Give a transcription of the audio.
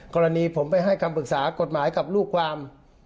กรณีผมไปให้คำปรึกษากฎหมายกับลูกความ